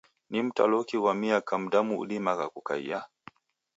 Ni mtaloki ghwa miaka mdamu udimagha kukaia?